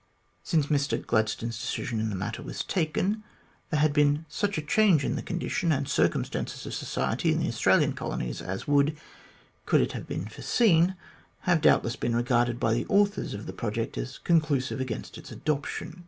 Since Mr Glad stone's decision in the matter was taken, there had been such a change in the condition and circumstances of society in the Australian Colonies as would, could it have been foreseen, have doubtless been regarded by the authors of the project as conclusive against its adoption.